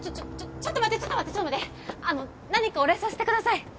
ちょっと待ってちょっと待ってちょっと待ってあの何かお礼させてください